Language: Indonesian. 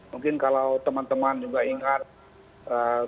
mungkin kalau teman teman juga ingat